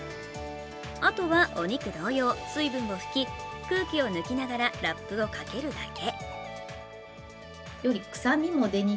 あとはお肉同様、水分を拭き、空気を抜きながらラップをかけるだけ。